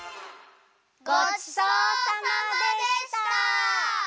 ごちそうさまでした！